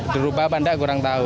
berubah apa enggak kurang tahu